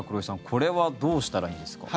これはどうしたらいいですか？